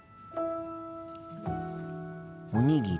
おにぎり。